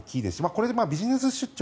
これがビジネス出張